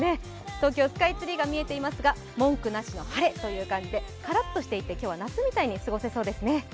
東京、スカイツリーが見えていますが文句なしの晴れという感じでカラッとしていて今日は夏みたいに過ごせそうですね。